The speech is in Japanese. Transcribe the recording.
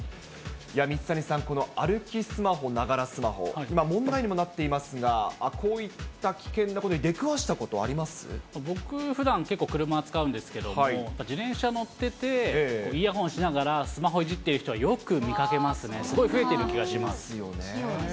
水谷さん、この歩きスマホ、ながらスマホ、今、問題にもなっていますが、こういった危険なこ僕、ふだん結構、車使うんですけれども、自転車乗ってて、イヤホンしながらスマホいじってる人は、よく見かけますね。ですよね。